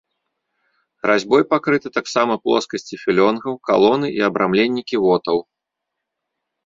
Разьбой пакрыты таксама плоскасці філёнгаў, калоны і абрамленні ківотаў.